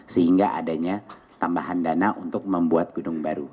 sehingga adanya tambahan dana untuk membuat gunung baru